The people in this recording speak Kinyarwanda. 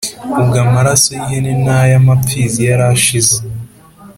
ubwo amaraso y ihene n ay amapfizi yari ashize